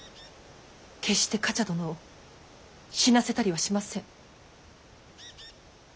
決して冠者殿を死なせたりはしません。